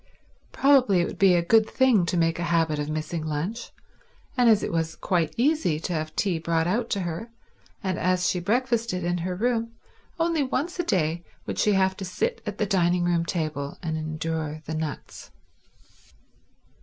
Probably it would be a good thing to make a habit of missing lunch, and as it was quite easy to have tea brought out to her, and as she breakfasted in her room, only once a day would she have to sit at the dining room table and endure the nuts.